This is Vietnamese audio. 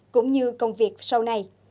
cũng như công việc sau này